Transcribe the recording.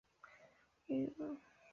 豫皖苏解放区设。